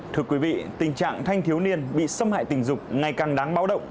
thưa quý vị tình trạng thanh thiếu niên bị xâm hại tình dục ngày càng đáng báo động